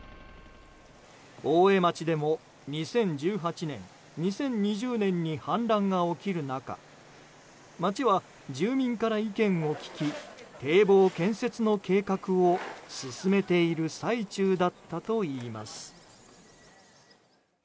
大江町でも２０１８年、２０２０年に氾濫が起きる中町は住民から意見を聞き堤防建設の計画を進めている最中だったといいます。